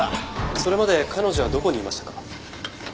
それまで彼女はどこにいましたか？